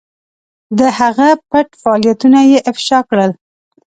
د هغه پټ فعالیتونه یې افشا کړل.